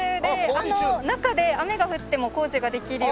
あの中で雨が降っても工事ができるように。